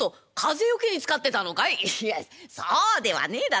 「いやそうではねえだ。